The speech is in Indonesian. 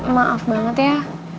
maaf banget ya